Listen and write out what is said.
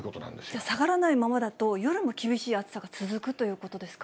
じゃあ下がらないままだと、夜も厳しい暑さが続くということですか。